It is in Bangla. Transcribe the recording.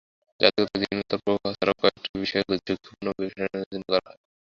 জাতিগত ও জিনগত প্রভাব ছাড়াও কয়েকটি বিষয় ঝুঁকিপূর্ণ হিসেবে বিবেচনা করা হয়।